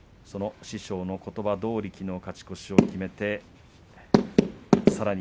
その師匠のことばどおり勝ち越しを決めています。